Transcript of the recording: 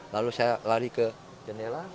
lalu saya lari ke jendela